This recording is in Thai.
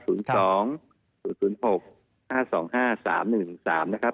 ขอส่วนนะครับ๐๒๐๐๖๕๒๕๓๑๑๓